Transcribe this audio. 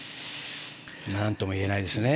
何とも言えないですね。